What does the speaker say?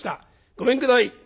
ごめんください。